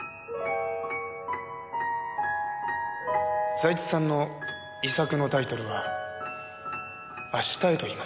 財津さんの遺作のタイトルは『明日へ』といいます。